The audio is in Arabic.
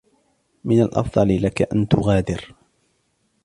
من الأفضل لك أن تغادر.